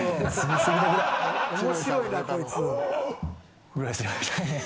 面白いなこいつ。